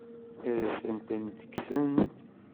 Ad asent-tent-kksent?